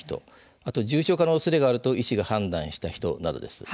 それから重症化の疑いがあると医師が判断した人などです。